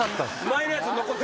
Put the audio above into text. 前のやつ残って。